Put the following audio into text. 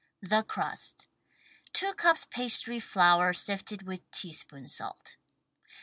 The Crust 2 cups pastry flour sifted with teaspoon salt.